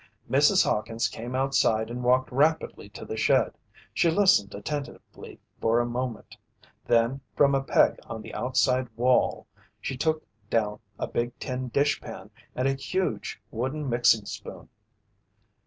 Mrs. Hawkins came outside and walked rapidly to the shed. She listened attentively for a moment. Then from a peg on the outside wall, she took down a big tin dishpan and a huge wooden mixing spoon.